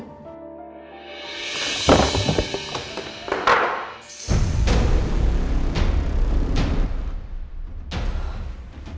mau kepada mu